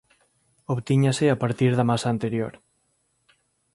Obtíñase a partir da masa anterior.